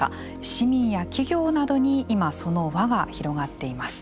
市民や企業などに今その輪が広がっています。